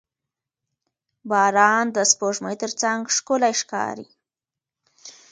• باران د سپوږمۍ تر څنګ ښکلی ښکاري.